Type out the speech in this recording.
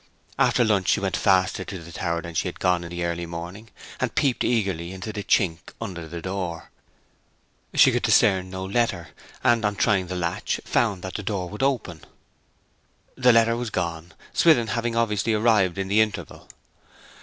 After lunch she went faster to the tower than she had gone in the early morning, and peeped eagerly into the chink under the door. She could discern no letter, and, on trying the latch, found that the door would open. The letter was gone, Swithin having obviously arrived in the interval.